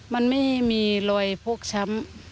มันไม่มีรอยพกช้ำ